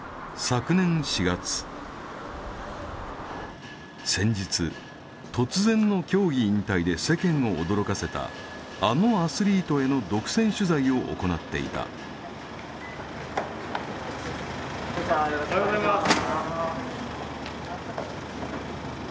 昨年４月先日突然の競技引退で世間を驚かせたあのアスリートへの独占取材を行っていたよろしくお願いします